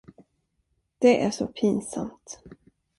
Det är så pinsamt.